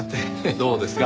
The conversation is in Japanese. どうですか？